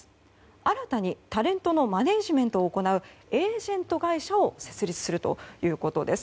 新たにタレントのマネジメントを行うエージェント会社を設立するということです。